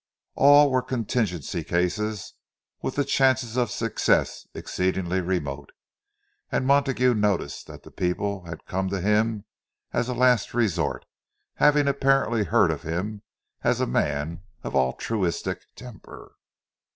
All were contingency cases, with the chances of success exceedingly remote. And Montague noticed that the people had come to him as a last resort, having apparently heard of him as a man of altruistic temper.